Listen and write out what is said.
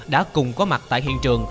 đã cùng có mặt tại hiện trường